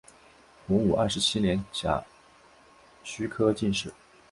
洪武二十七年甲戌科进士。